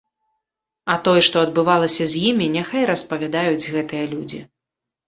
А тое, што адбывалася з імі, няхай распавядаюць гэтыя людзі.